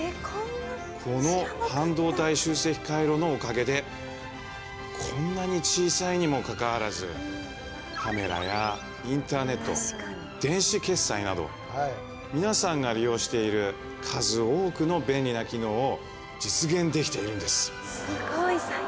この半導体集積回路のおかげでこんなに小さいにもかかわらず皆さんが利用している数多くの便利な機能を実現できているんです